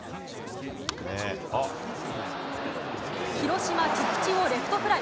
広島、菊池をレフトフライ。